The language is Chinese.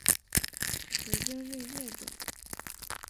回京任谒者。